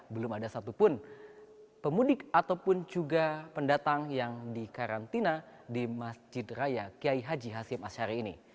belum ada satupun pemudik ataupun juga pendatang yang dikarantina di masjid raya kiai haji hashim ashari ini